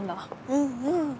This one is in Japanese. うんうん。